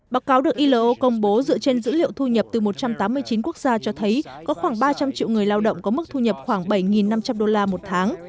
báo cáo được ilo công bố dựa trên dữ liệu thu nhập từ một trăm tám mươi chín quốc gia cho thấy có khoảng ba trăm linh triệu người lao động có mức thu nhập khoảng bảy năm trăm linh đô la một tháng